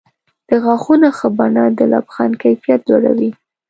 د غاښونو ښه بڼه د لبخند کیفیت لوړوي.